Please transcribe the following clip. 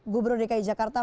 gubernur dki jakarta